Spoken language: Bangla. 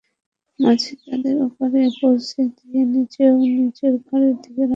মাঝি তাদের ওপারে পৌঁছে দিয়ে নিজেও নিজের ঘরের দিকে রওনা হয়।